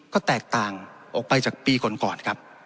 ก็แตกต่างออกไปจากปีก่อนครับ